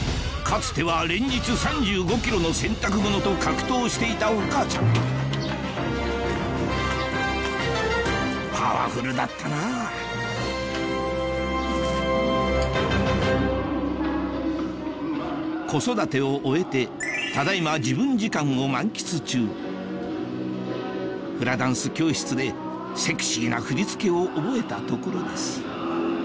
つては連日３５ｋｇの洗濯物と格闘していたお母ちゃんパワフルだったなぁ子育てを終えてただ今自分時間を満喫中フラダンス教室でセクシーな振り付けを覚えたところです